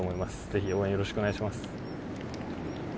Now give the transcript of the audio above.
ぜひ応援をよろしくお願いします。